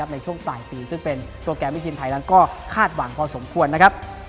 ในช่วงปลายปีซึ่งเป็นโปรแกรมที่ทีมไทยนั้นก็คาดหวังพอสมควรนะครับ